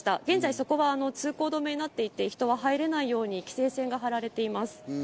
現在、そこは通行止めになっていて、人は入れないように規制線が張られています。